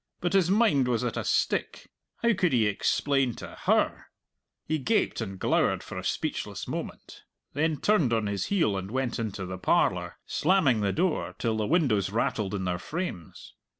But his mind was at a stick; how could he explain to her? He gaped and glowered for a speechless moment, then turned on his heel and went into the parlour, slamming the door till the windows rattled in their frames.